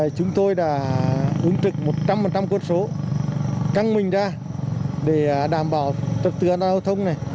chúng tôi đã ứng trực một trăm linh cốt số căng mình ra để đảm bảo tập tư an toàn hô thông này